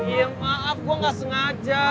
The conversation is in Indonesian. ya maaf gue gak sengaja